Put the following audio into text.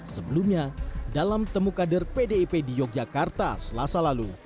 sebelumnya dalam temu kader pdip di yogyakarta selasa lalu